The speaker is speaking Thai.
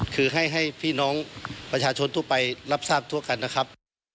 คือให้พี่น้องประชาชนทั่วไปรับทราบทั่วกันนะครับ